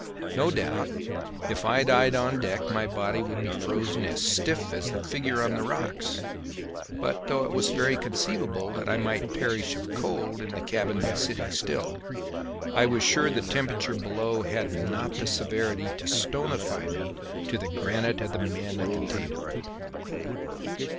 No doubt if I died on deck my body would be frozen as stiff as the figure on the rocks; but, though it was very conceivable that I might perish of cold in the cabin by sitting still, I was sure the temperature below had not the severity to stonify me to the granite of the men at the table.